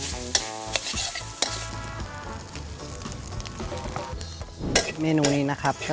ว่าจะทำมาจากความเผ็ดเยอะ